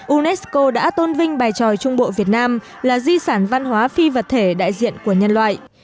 unesco đã tôn vinh bài tròi trung bộ việt nam là di sản văn hóa phi vật thể đại diện của nhân loại